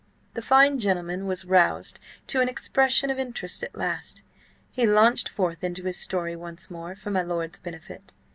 The fine gentleman was roused to an expression of interest at last. He launched forth into his story once more for my lord's benefit.